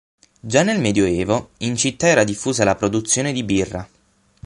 Già nel medioevo, in città era diffusa la produzione di birra.